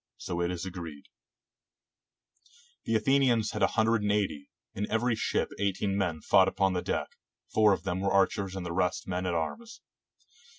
So it is agreed." ii8 THE BATTLE OF SALAMIS The Athenians had a hundred and eighty; in every ship eighteen men fought upon the deck, four of them were archers and the rest men at arms.